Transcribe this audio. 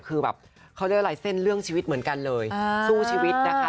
คือแบบเขาเรียกอะไรเส้นเรื่องชีวิตเหมือนกันเลยสู้ชีวิตนะคะ